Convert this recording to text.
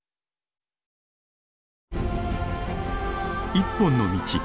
「一本の道」。